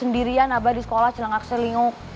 neng tuh sendirian abah di sekolah celangakselinguk